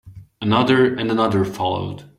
Another and another followed.